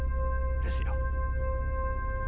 ですよ。